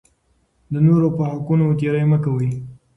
د نورو په حقونو تېری مه کوئ.